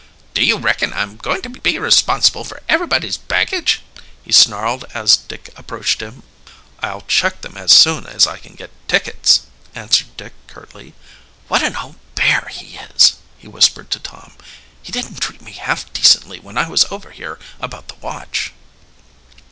"Do you reckon I'm going to be responsible for everybody's baggage?" he snarled as Dick approached him. "I'll check them as soon as I can get tickets," answered Dick curtly. "What an old bear he is!" he whispered to Tom. "He didn't treat me half decently when I was over here about the watch."